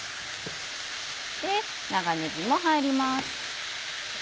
長ねぎも入ります。